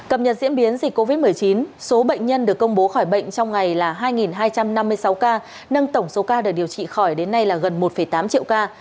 cập nhật diễn biến dịch covid một mươi chín số bệnh nhân được công bố khỏi bệnh trong ngày là hai hai trăm năm mươi sáu ca nâng tổng số ca được điều trị khỏi đến nay là gần một tám triệu ca